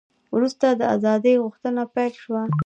وروسته د ازادۍ غوښتنه پیل شوه.